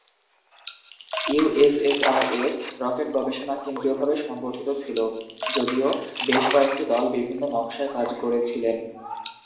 ইউএসএসআর-এ, rocket গবেষণা কেন্দ্রীয়ভাবে সংগঠিত ছিল, যদিও বেশ কয়েকটি দল বিভিন্ন নকশায় কাজ করেছিল।